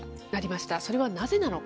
それはなぜなのか。